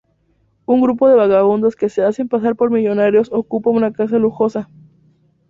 Un grupo de vagabundos que se hacen pasar por millonarios ocupa una casa lujosa.